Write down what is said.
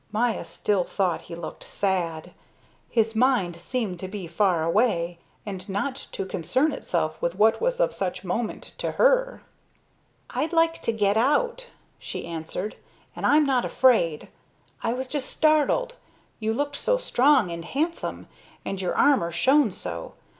Maya still thought he looked sad. His mind seemed to be far away and not to concern itself with what was of such moment to her. "I'd like to get out," she answered. "And I'm not afraid. I was just startled. You looked so strong and handsome, and your armor shone so.